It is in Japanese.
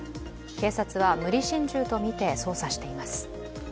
警察は無理心中とみて捜査しています。